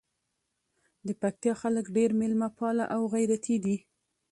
د پکتیکا خلګ ډېر میلمه پاله او غیرتي دي.